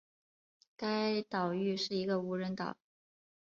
该岛屿是一个无人岛。